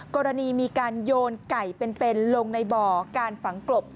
กรณีมีการโยนไก่เป็นลงในบ่อการฝังกลบ